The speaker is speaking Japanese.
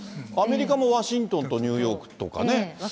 アメリカも、ワシントンとニューヨークとかね。